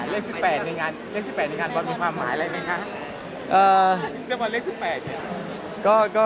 เลข๑๘ในงานมีความหมายอะไรไหมคะ